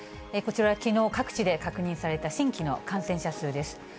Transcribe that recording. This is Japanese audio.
こちら、きのう各地で確認された新規の感染者数です。